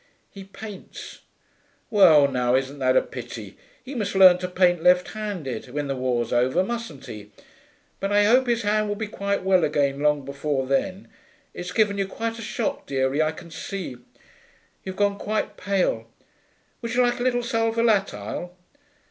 'He paints.' 'Well now, isn't that a pity! He must learn to paint left handed when the war's over, mustn't he? But I hope his hand will be quite well again long before then. It's given you quite a shock, dearie, I can see. You've gone quite pale. Would you like a little sal volatile?'